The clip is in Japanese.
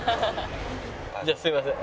じゃあすみません。